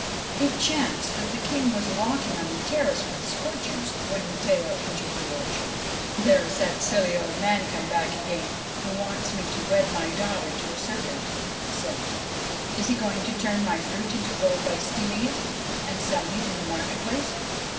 It chanced that the King was walking on the terrace with his courtiers when Matteo entered the orchard. ' There is that silly old man come back again who wants me to wed my daughter to a serpent,' he said. ' Is he going to turn my fruit into gold by stealing it and selling it in the market place?'